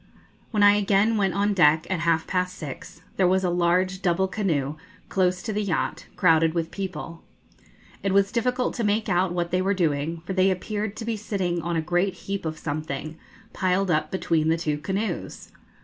When I again went on deck, at half past six, there was a large double canoe close to the yacht, crowded with people. It was difficult to make out what they were doing, for they appeared to be sitting on a great heap of something, piled up between the two canoes.